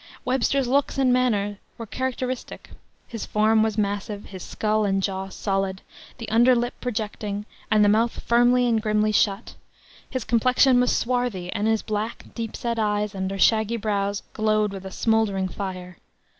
Webster's looks and manner were characteristic. His form was massive, his skull and jaw solid, the underlip projecting, and the mouth firmly and grimly shut; his complexion was swarthy, and his black, deep set eyes, under shaggy brows, glowed with a smoldering fire.